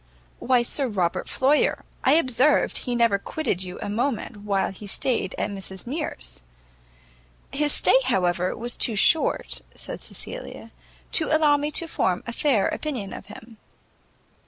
"Why, Sir Robert Floyer; I observed he never quitted you a moment while he stayed at Mrs Mears." "His stay, however, was too short," said Cecilia, "to allow me to form a fair opinion of him."